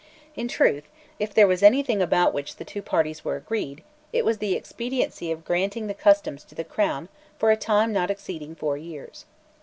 In truth, if there was any thing about which the two parties were agreed, it was the expediency of granting the customs to the Crown for a time not exceeding four years.